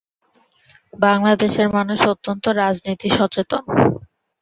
বাংলাদেশের মানুষ অত্যন্ত রাজনীতি সচেতন।